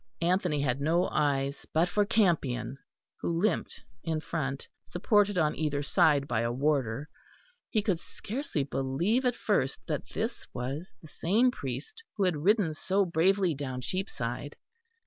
Anthony had no eyes but for Campion who limped in front, supported on either side by a warder. He could scarcely believe at first that this was the same priest who had ridden so bravely down Cheapside.